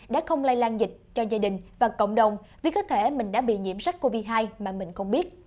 đã không lây lan dịch cho gia đình và cộng đồng vì có thể mình đã bị nhiễm sắc covid một mươi chín mà mình không biết